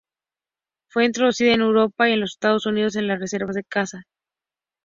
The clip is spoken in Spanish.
Fue introducida en Europa y en los Estados Unidos en las reservas de caza.